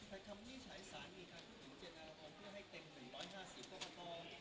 คำนวณนี้ใช้ศาลมีค่าถึง๗อัลกรณ์เพื่อให้เต็ม๑๕๐กรกฎ